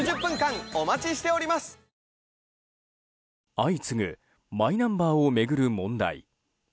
相次ぐマイナンバーを巡る問題。